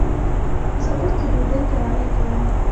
زه اوس د ډوډۍ تیاری کوم.